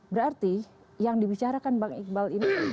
berarti yang dibicarakan bang iqbal ini